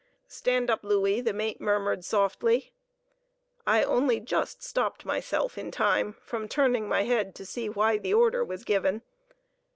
"Stand up, Louey," the mate murmured softly. I only just stopped myself in time from turning my head to see why the order was given.